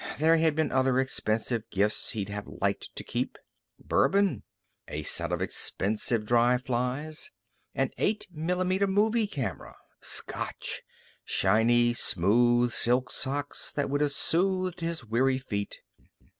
There had been other expensive gifts he'd have liked to keep. Bourbon. A set of expensive dry flies. An eight millimeter movie camera. Scotch. Shiny, smooth silk socks that would have soothed his weary feet.